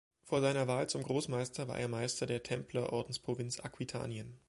Vor seiner Wahl zum Großmeister war er Meister der Templer-Ordensprovinz Aquitanien.